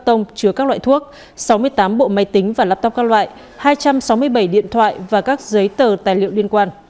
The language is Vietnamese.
tông chứa các loại thuốc sáu mươi tám bộ máy tính và laptop các loại hai trăm sáu mươi bảy điện thoại và các giấy tờ tài liệu liên quan